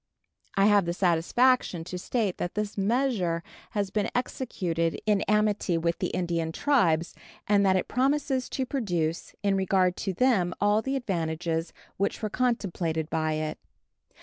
I have the satisfaction to state that this measure has been executed in amity with the Indian tribes, and that it promises to produce, in regard to them, all the advantages which were contemplated by it.